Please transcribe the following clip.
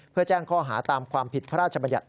เพื่อแจ้งข้อหาตามความผิดพระราชบัญญัติ